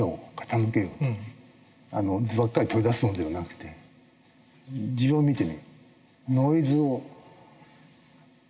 図ばっかり取り出すのではなくて地を見てみよう。